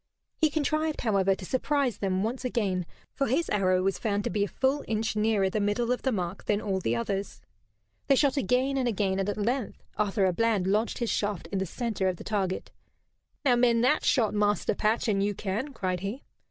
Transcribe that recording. He contrived, however, to surprise them once again, for his arrow was found to be a full inch nearer the middle of the mark than all the others. They shot again and again, and at length Arthur à Bland lodged his shaft in the center of the target. "Now mend that shot, Master Patch, an you can," cried he.